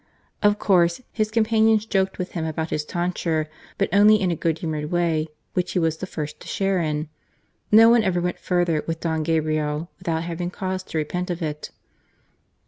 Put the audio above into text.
Of course, his companions joked with him about his tonsure, but only in a good humoured way, which he was the first to share in. No one ever went further with Don Gabriel without having cause to repent of it.